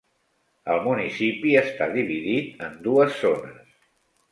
El municipi està dividit en dues zones.